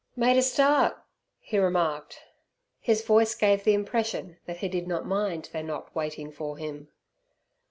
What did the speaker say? "Made a start!" he remarked. His voice gave the impression that he did not mind their not waiting for him.